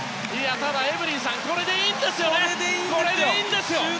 ただ、エブリンさんこれでいいんですよね！